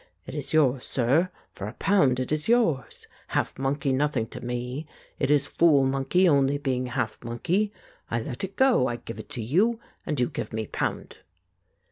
It is yours, sir, for a pound it is yours. Half monkey nothing to me; it is fool monkey only being half monkey. I let it go— I give it you, and you give me pound."